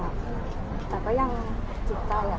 เราก็เริ่มรู้แล้วว่า